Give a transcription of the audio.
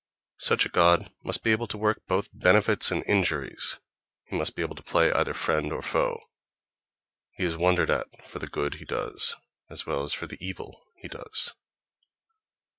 —Such a god must be able to work both benefits and injuries; he must be able to play either friend or foe—he is wondered at for the good he does as well as for the evil he does.